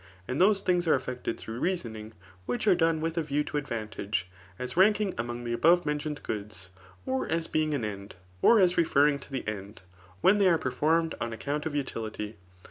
And those things are effected through reasonings which are done with a view to advaotagev^ as ranking among the above me nt ioned goods, or as being an end, or as referring to the end» when they are performed on account of utility.